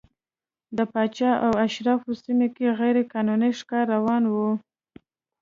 د پاچا او اشرافو سیمو کې غیر قانوني ښکار روان و.